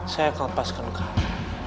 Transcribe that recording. saya akan lepaskan kamu